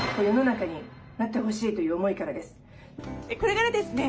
これからですね